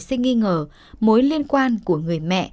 sẽ nghi ngờ mối liên quan của người mẹ